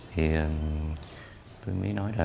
thì tôi mới nói là